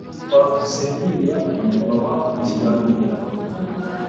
twavuze uriya nyakubahwa mu kiganiro.